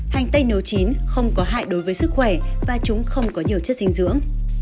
hành tây nấu chín không có hại đối với sức khỏe và chúng không có nhiều chất dinh dưỡng